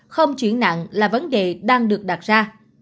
không chuyển nặng là vấn đề đang được đặt ra